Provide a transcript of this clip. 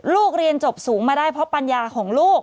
เรียนจบสูงมาได้เพราะปัญญาของลูก